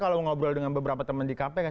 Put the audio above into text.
kalau ngobrol dengan beberapa teman di kpk